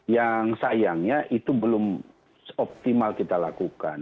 yang sayangnya itu belum optimal kita lakukan